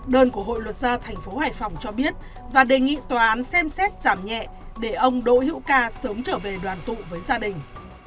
đơn của hội luật gia tp hải phòng cho biết và đề nghị tòa án xem xét giảm nhẹ để ông đỗ hữu ca sớm trở về đoàn tụ với gia đình